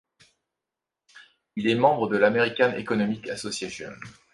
Il est membre de l'American Economic Association.